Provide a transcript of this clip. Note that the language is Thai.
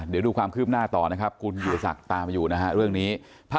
เดี๋ยวดูความคืบหน้าต่อนะครับคุณวิทยาศักดิ์ตามอยู่นะฮะเรื่องนี้